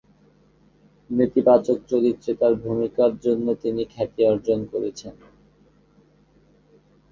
নেতিবাচক চরিত্রে তাঁর ভূমিকার জন্য তিনি খ্যাতি অর্জন করেছেন।